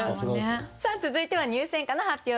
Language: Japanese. さあ続いては入選歌の発表です。